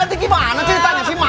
ganti ke mana ceritanya sih mak